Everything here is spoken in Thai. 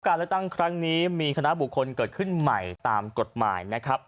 การเลือกตั้งครั้งนี้มีคณะบุคคลเกิดขึ้นใหม่ตามกฎหมายนะครับ